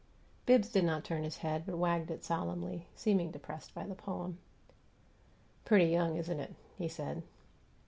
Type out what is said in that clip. Bibbs did not turn his head, but wagged it solemnly, seeming depressed by the poem. "Pretty young, isn't it?" he said.